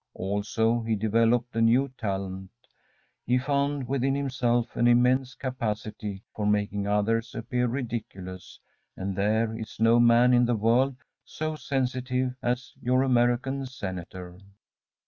Also he developed a new talent. He found within himself an immense capacity for making others appear ridiculous, and there is no man in the world so sensitive as your American senator.